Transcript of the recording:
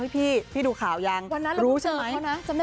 พี่ดูข่าวยังรู้ใช่ไหม